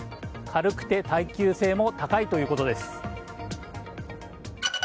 軽くて耐久性も高いということです。